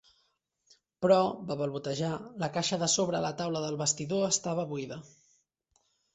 "Però", va balbotejar, "la caixa de sobre la taula del vestidor estava buida".